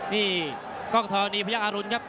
นี่กล้องเท้านี้พระยักษ์อารุณครับ